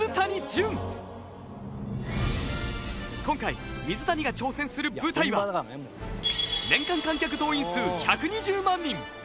今回水谷が挑戦する舞台は年間観客動員数１２０万人。